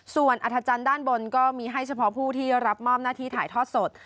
ส่วนอัธจันทร์ด้านบนก็มีให้เฉพาะผู้ที่รับมอบหน้าที่ถ่ายทอดสด